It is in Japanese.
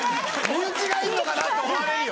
身内がいんのかなって思われるよ。